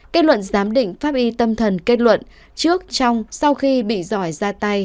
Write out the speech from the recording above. kết luận giám định pháp y tâm thần kết luận trước trong sau khi bị giỏi ra tay